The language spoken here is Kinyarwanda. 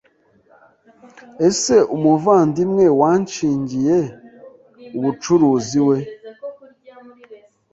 Ese umuvandimwe wanshingiye ubucuruzi we